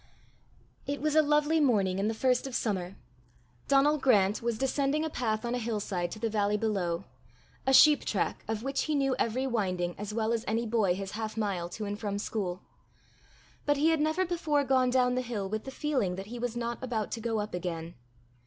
It was a lovely morning in the first of summer. Donal Grant was descending a path on a hillside to the valley below a sheep track of which he knew every winding as well as any boy his half mile to and from school. But he had never before gone down the hill with the feeling that he was not about to go up again.